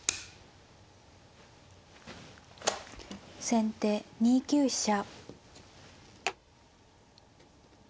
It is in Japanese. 先手２九飛車。